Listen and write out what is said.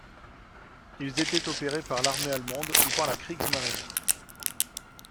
Ils étaient opérés par l'armée allemande ou par la Kriegsmarine.